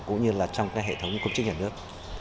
cũng như là trong cái hệ thống công chức nhà nước